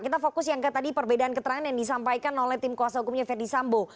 kita fokus yang ke tadi perbedaan keterangan yang disampaikan oleh tim kuasa hukumnya verdi sambo